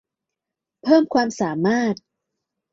เพิ่มความสามารถ